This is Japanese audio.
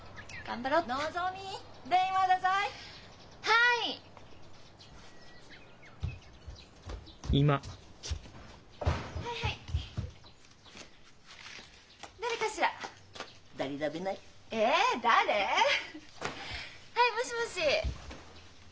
はいもしもし。